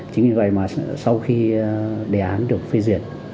chính vì vậy mà sau khi đề án được phê duyệt